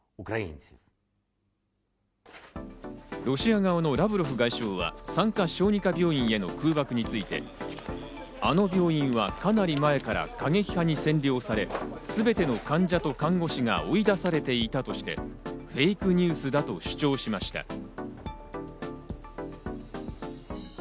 ロシア側のラブロフ外相は産科・小児科病院への空爆について、あの病院はかなり前から過激派に占領され、全ての患者と看護師が追い出されていたとして、フェイクニュースだと主張しました。